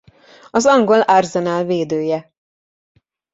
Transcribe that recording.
Az angol Arsenal védője.